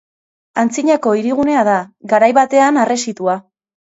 Antzinako hirigunea da, garai batean harresitua.